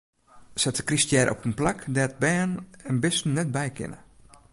Set de kryststjer op in plak dêr't bern en bisten der net by kinne.